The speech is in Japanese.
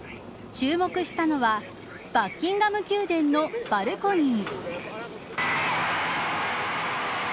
注目したのはバッキンガム宮殿のバルコニー。